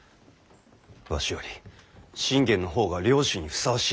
わしより信玄の方が領主にふさわしいと。